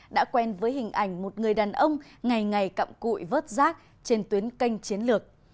đã quen với hình ảnh một người đàn ông ngày ngày cặm cụi vớt rác trên tuyến canh chiến lược